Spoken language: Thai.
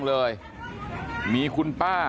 สวัสดีครับคุณผู้ชาย